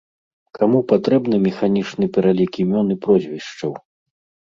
Каму патрэбны механічны пералік імён і прозвішчаў?